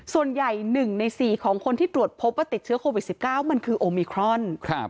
ส่วนใหญ่๑ใน๔ของคนที่ตรวจพบว่าติดเชื้อโควิด๑๙มันคือโอมิครอน